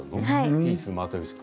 ピースの又吉君。